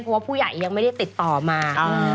เพราะว่าผู้ใหญ่ยังไม่ได้ติดต่อมา